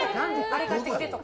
あれ買ってきてとか？